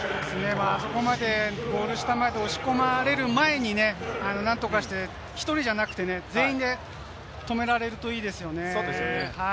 あそこまで、ゴール下まで押し込まれる前にね、何とかして１人じゃなくて全員で止められるといいですね。